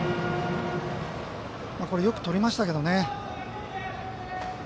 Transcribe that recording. よくとりましたけどね。